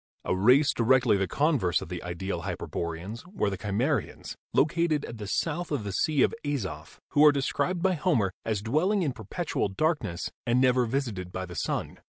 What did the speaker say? A race directly the con verse of the ideal hyperboreans were the Cimmerians, located at the south of the Sea of Azof, who are described by Homer as dwelling in perpetual darkness and never visited by the sun.